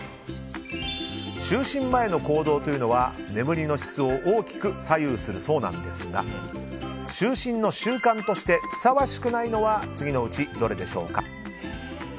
就寝前の行動というのは眠りの質を大きく左右するそうなんですが就寝の習慣としてふさわしくないのは次のうちどれでしょうか？